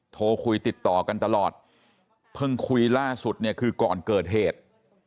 โทรคุยติดต่อกันตลอดเพิ่งคุยล่าสุดเนี่ยคือก่อนเกิดเหตุ